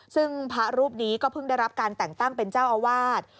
ซึ่งพระรูปนี้ก็เพิ่งได้รับการแต่งตั้งเป็นเจ้าอาวาส